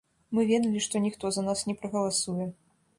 Мы ведалі, што ніхто за нас не прагаласуе.